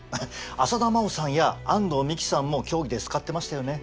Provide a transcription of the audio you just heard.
浅田真央さんや安藤美姫さんも競技で使ってましたよね。